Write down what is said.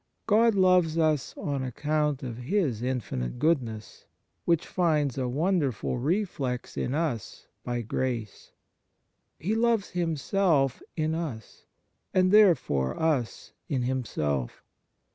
God loves us on account of His infinite goodness, which finds a wonderful reflex in us by grace. He loves Himself in us, and therefore us in Himself.